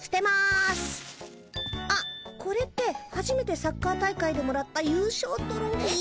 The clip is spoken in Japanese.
あっこれってはじめてサッカー大会でもらった優勝トロフィー。